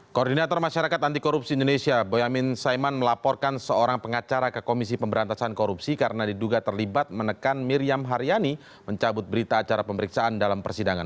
koordinator masyarakat anti korupsi indonesia boyamin saiman melaporkan seorang pengacara ke komisi pemberantasan korupsi karena diduga terlibat menekan miriam haryani mencabut berita acara pemeriksaan dalam persidangan